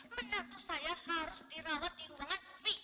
benar tuh saya harus dirawat di ruangan vip